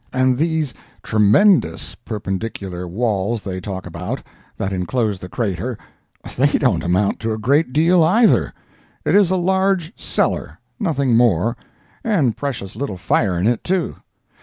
And these 'tremendous' perpendicular walls they talk about, that inclose the crater! they don't amount to a great deal, either; it is a large cellar—nothing more—and precious little fire in it, too."